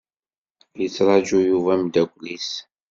Yettraju Yuba ameddakel-is.